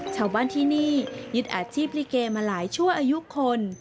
ชาวบ้านที่นี่ยึดอาชีพลิเกมาหลายชั่วอายุคน